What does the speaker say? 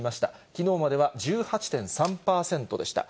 きのうまでは１８．３％でした。